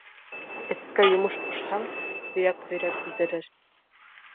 Эткә йомош ҡушһаң, һөйәк һөйрәп килтерер.